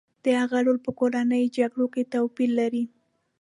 د هغه رول په کورنیو جګړو کې توپیر لري